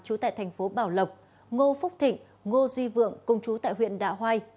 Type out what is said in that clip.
chú tại thành phố bảo lộc ngô phúc thịnh ngô duy vượng công chú tại huyện đạo hoai